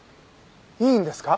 いいんですか？